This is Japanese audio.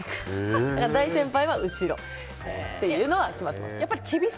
大先輩は後ろっていうのは決まってます。